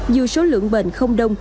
dù số lượng bệnh không đông